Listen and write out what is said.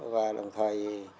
và đồng thời